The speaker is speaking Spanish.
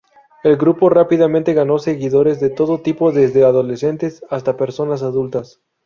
El grupo rápidamente ganó seguidores de todo tipo desde adolescentes hasta personas adultas.